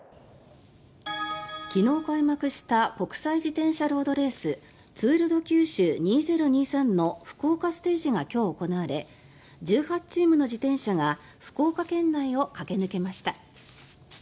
昨日開幕した国際自転車ロードレースツール・ド・九州２０２３の福岡ステージが今日行われ１８チームの自転車が福岡県内を駆け抜けました。